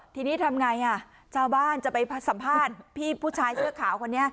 ทีนี้ทำไงชาวบ้านจะไปสัมภาษณ์พี่ผู้ชายเสื้อขาวคนนี้